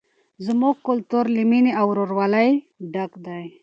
زموږ کلتور له مینې او ورورولۍ ډک دی.